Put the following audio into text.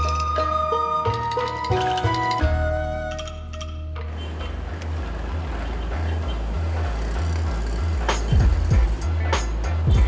itu pengangkutan yang baru